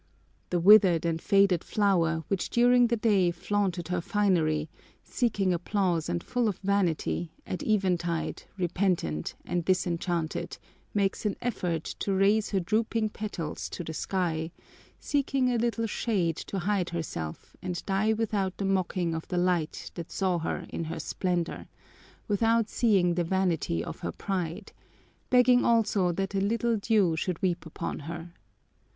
"The withered and faded flower which during the day flaunted her finery, seeking applause and full of vanity, at eventide, repentant and disenchanted, makes an effort to raise her drooping petals to the sky, seeking a little shade to hide herself and die without the mocking of the light that saw her in her splendor, without seeing the vanity of her pride, begging also that a little dew should weep upon her.